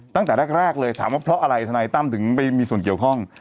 ตั้งแต่แรกเลยถามว่าเพราะอะไรทนายตั้มถึงไปมีส่วนเกี่ยวข้อง